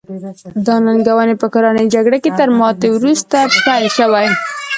دا ننګونې په کورنۍ جګړه کې تر ماتې وروسته پیل شوې.